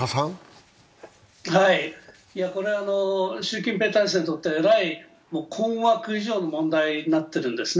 これは習近平体制にとってはえらい困惑以上の問題になっているんですね。